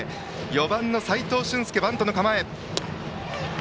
４番、齋藤舜介バントの構え。